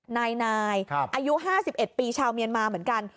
นายอายุ๕๑ปีชาวเมียนมาเหมือนกัน